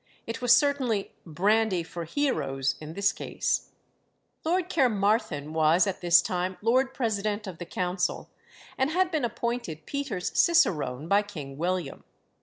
It was certainly "brandy for heroes" in this case. Lord Caermarthen was at this time Lord President of the Council, and had been appointed Peter's cicerone by King William.